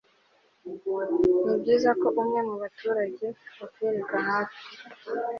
nibyiza ko umwe mubaturage akwereka hafi